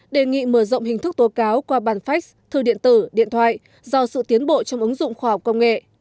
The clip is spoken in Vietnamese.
đề nghị mở rộng hình thức tố cáo qua bàn fax thư điện tử điện thoại do sự tiến bộ trong ứng dụng khoa học công nghệ